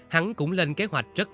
hắn cũng lên kế hoạch rất tỉ mỉ